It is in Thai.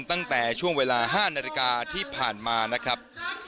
ตั้งแต่ช่วงเวลา๕นาฬิกาที่ผ่านมานะครับ